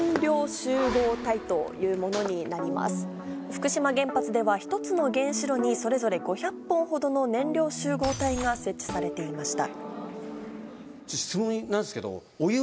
福島原発では１つの原子炉にそれぞれ５００本ほどの燃料集合体が設置されていました。